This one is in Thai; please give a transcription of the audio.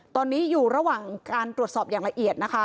ตอนนี้อยู่ระหว่างการตรวจสอบอย่างละเอียดนะคะ